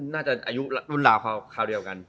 น่าจะอายุรุ่นราวคราวเดียวกัน